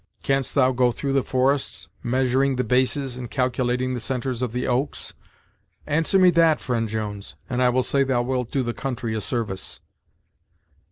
Canst thou go through the forests measuring the bases and calculating the centres of the oaks? Answer me that, friend Jones, and I will say thou wilt do the country a service."